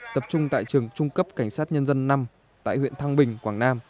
tập trung tại trường trung cấp cảnh sát nhân dân năm tại huyện thăng bình quảng nam